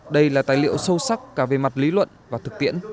đây là tài liệu sâu sắc cả về mặt lý luận và thực tiễn